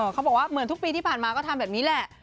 เขาบอกว่าเหมือนทุกปีที่ผ่านมาก็ทำแบบนี้แหละ